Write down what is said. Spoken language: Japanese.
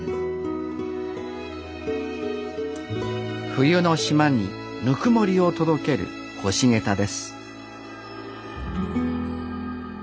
冬の島にぬくもりを届ける干しゲタです